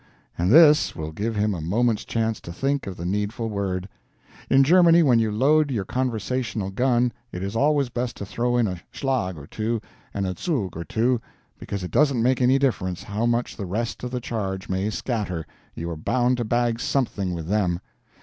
and this will give him a moment's chance to think of the needful word. In Germany, when you load your conversational gun it is always best to throw in a SCHLAG or two and a ZUG or two, because it doesn't make any difference how much the rest of the charge may scatter, you are bound to bag something with THEM.